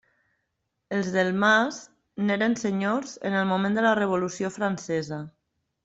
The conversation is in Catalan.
Els Delmàs n'eren senyors en el moment de la Revolució Francesa.